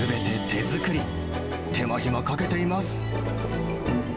手間暇かけています。